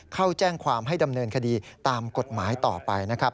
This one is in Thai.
เข้าแจ้งความให้ดำเนินคดีตามกฎหมายต่อไปนะครับ